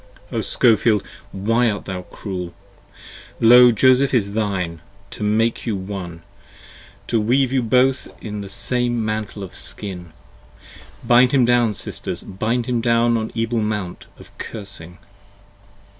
p. 68 O SKOFIELD why art thou cruel? Lo Joseph is thine, to make You One: to weave you both in the same mantle of skin. Bind him down Sisters, bind him down on Ebal Mount of cursing.